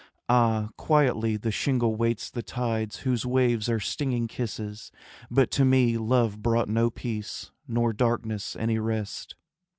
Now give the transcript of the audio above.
Ah, quietly the shingle waits the tides Whose waves are stinging kisses, but to me Love brought no peace, nor darkness any rest.